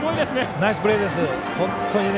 ナイスプレーです。